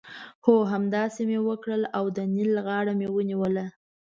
هو! همداسې مې وکړل او د نېل غاړه مې ونیوله.